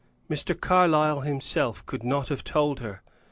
Mr. Carlyle himself could not have told her.